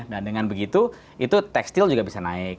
dan dengan begitu itu tekstil juga bisa naik